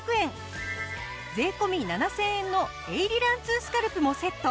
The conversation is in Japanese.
税込７０００円のエイリラン２スカルプもセット。